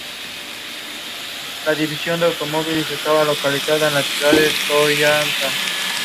Tiene su sede en la iglesia colegial de Nuestra Señora de la Asunción.